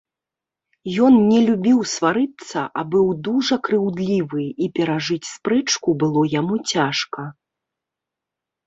Ён не любіў сварыцца, а быў дужа крыўдлівы, і перажыць спрэчку было яму цяжка.